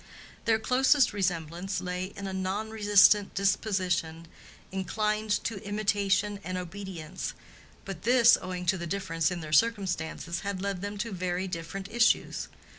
Their closest resemblance lay in a non resistant disposition, inclined to imitation and obedience; but this, owing to the difference in their circumstances, had led them to very different issues.